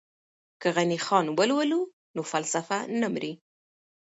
که غني خان ولولو نو فلسفه نه مري.